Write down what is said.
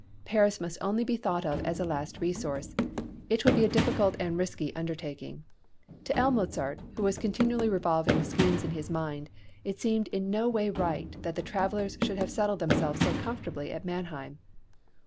Paris must only be thought of as a last resource; it would be a difficult and a risky undertaking. To L. Mozart, who was continually revolving schemes in his mind, it seemed in no way right that the travellers should have settled themselves so comfortably at Mannheim.